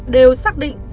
đều xác định